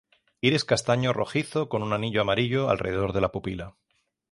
Iris castaño rojizo con un anillo amarillo alrededor de la pupila.